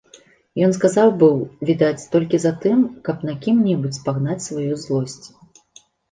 Ён сказаў быў, відаць, толькі затым, каб на кім-небудзь спагнаць сваю злосць.